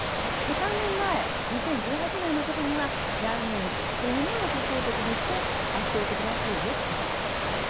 ３年前、２０１８年には難民というものを仮想敵にして圧倒的な勝利を収めたわけなんです。